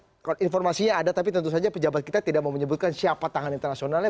oke informasinya ada tapi tentu saja pejabat kita tidak mau menyebutkan siapa tangan internasionalnya